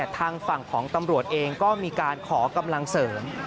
ทางฝั่งของตำรวจเองก็มีการขอกำลังเสริม